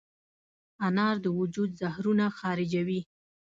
انار د وجود زهرونه خارجوي.